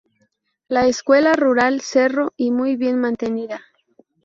La escuela rural cerro, y muy bien mantenida.